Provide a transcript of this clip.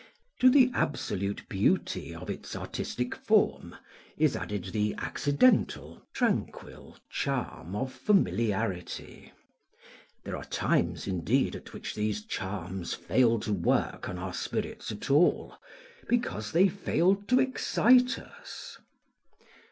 To the absolute beauty of its artistic form, is added the accidental, tranquil, charm of familiarity. There are times, indeed, at which these charms fail to work on our spirits at all, because they fail to excite us.